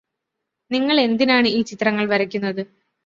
നിങ്ങള് എന്തിനാണ് ഈ ചിത്രങ്ങൾ വരക്കുന്നത്